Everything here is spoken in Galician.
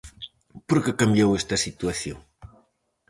Por que cambiou esta situación?